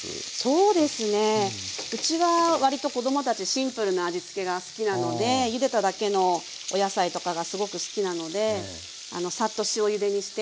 そうですねうちは割と子供たちシンプルな味付けが好きなのでゆでただけのお野菜とかがすごく好きなのでサッと塩ゆでにして。